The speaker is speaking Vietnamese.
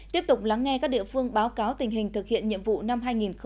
tiếp tục lắng nghe các địa phương báo cáo tình hình thực hiện nhiệm vụ năm hai nghìn hai mươi